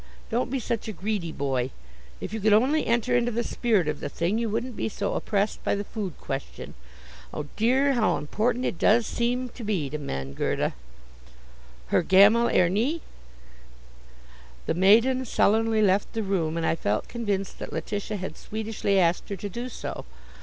Don't be such a greedy boy. If you could only enter into the spirit of the thing, you wouldn't be so oppressed by the food question. Oh, dear! How important it does seem to be to men. Gerda, hur gammal är ni?" The maiden sullenly left the room, and I felt convinced that Letitia had Swedishly asked her to do so.